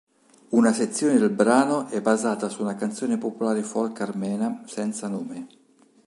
Una sezione del brano è basata su una canzone popolare folk armena senza nome.